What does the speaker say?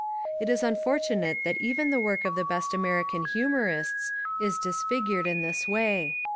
It is unfortunate that even the work of the best American humorists is dis figured in this way.